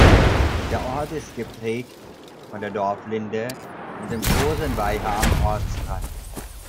Der Ort ist geprägt von der Dorflinde und dem großen Weiher am Ortsrand.